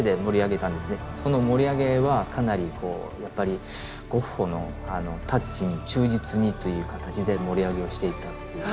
その盛り上げはかなりこうやっぱりゴッホのタッチに忠実にという形で盛り上げをしていった。